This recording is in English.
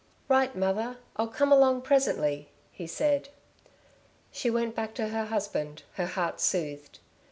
"Right, mother! I'll come along, presently," he said. She went back to her husband, her heart soothed.